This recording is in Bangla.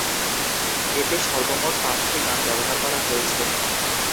এতে সর্বমোট পাঁচটি গান ব্যবহার করা হয়েছে।